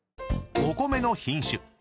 ［お米の品種